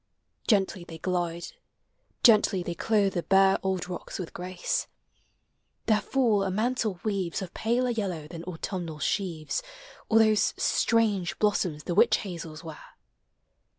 Gently they glide, gently they clothe the bare Old rocks with grace. Their fall a mantle weaves Of paler yellow than autumnal sheaves Or those strange blossoms the witch hazels wear.